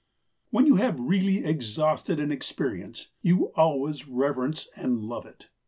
When you have really exhausted an experience you always reverence and love it.